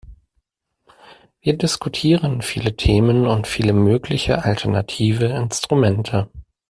Wir diskutieren viele Themen und viele mögliche alternative Instrumente.